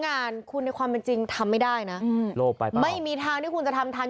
งานคุณในความเป็นจริงทำไม่ได้นะไม่มีทางที่คุณจะทำทัน